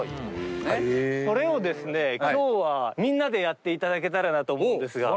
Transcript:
これをですね今日はみんなでやって頂けたらなと思うんですが。